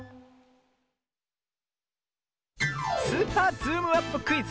「スーパーズームアップクイズ」